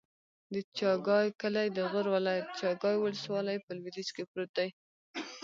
د چاګای کلی د غور ولایت، چاګای ولسوالي په لویدیځ کې پروت دی.